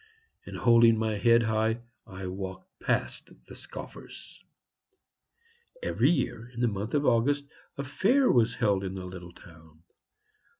and holding my head high, I walked past the scoffers. Every year, in the month of August, a fair was held in the little town.